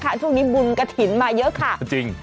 เพราะวันนี้บุญกฐินมาเยอะค่ะจริง